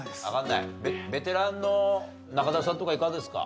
ベテランの中田さんとかいかがですか？